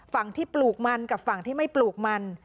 ฝั่งที่ปลูกมันกับฝั่งที่ไม่ปลูกมัน